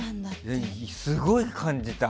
すごい感じた。